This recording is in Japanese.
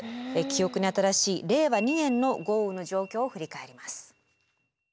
記憶に新しい令和２年の豪雨の状況を振り返ります。